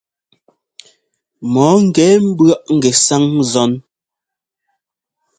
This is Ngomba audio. Mɔ ńgɛ ḿbʉ̈ɔʼ ŋgɛsáŋ zɔn.